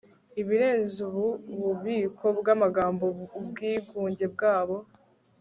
ibirenze ubu bubiko bwamagambo ubwigunge bwabo